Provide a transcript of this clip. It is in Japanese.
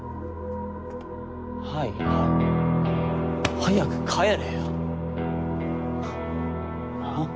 はいはい早く帰れよ！